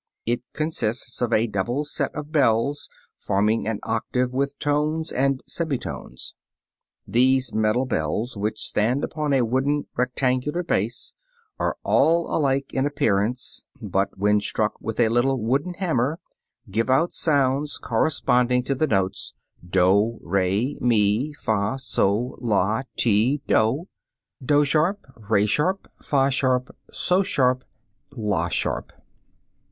It consists of a double series of bells forming an octave with tones and semitones. These metal bells, which stand upon a wooden rectangular base, are all alike in appearance, but, when struck with a little wooden hammer, give out sounds corresponding to the notes doh, re, mi, fah, soh, lah, ti, doh, doh [sharp], re [sharp], fah [sharp], soh [sharp], lah [sharp].